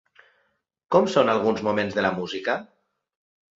Com són alguns moments de la música?